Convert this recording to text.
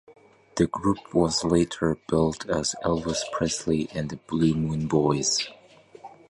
The group was later billed as "Elvis Presley and the Blue Moon Boys".